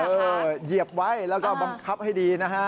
เหยียบไว้แล้วก็บังคับให้ดีนะฮะ